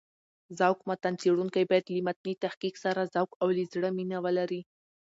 ذوق متن څېړونکی باید له متني تحقيق سره ذوق او له زړه مينه ولري.